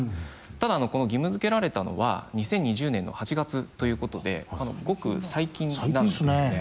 ただこの義務づけられたのは２０２０年の８月ということでごく最近なんですね。